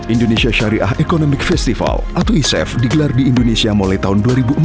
indonesia syariah economic festival atau icf digelar di indonesia mulai tahun dua ribu empat